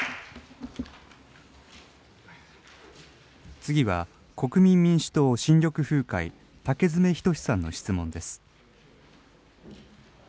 次は国民民主党・新緑風会、竹詰仁さんの質問です。